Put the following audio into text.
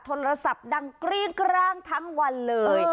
โทรศัพท์ดังกริ้งกร้างทั้งวันเลย